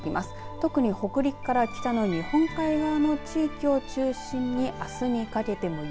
特に北陸から北の日本海側の地域を中心にあすにかけても雪。